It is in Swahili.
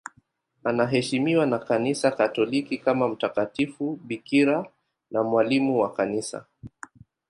Anaheshimiwa na Kanisa Katoliki kama mtakatifu bikira na mwalimu wa Kanisa.